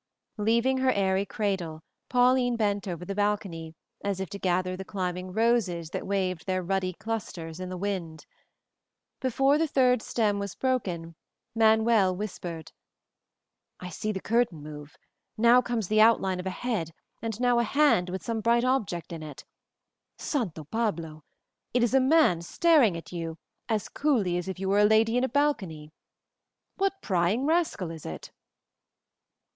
Leaving her airy cradle, Pauline bent over the balcony as if to gather the climbing roses that waved their ruddy clusters in the wind. Before the third stem was broken Manuel whispered, "I see the curtain move; now comes the outline of a head, and now a hand, with some bright object in it. Santo Pablo! It is a man staring at you as coolly as if you were a lady in a balcony. What prying rascal is it?"